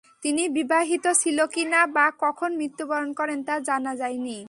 তিনি বিবাহিত ছিল কিনা বা কখন মৃত্যুবরণ করেন তা জানা যায়নি।